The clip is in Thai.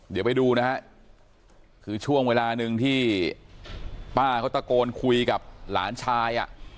เดี๋ยวไปดูนะฮะคือช่วงเวลาหนึ่งที่ป้าเขาตะโกนคุยกับหลานชายอ่ะ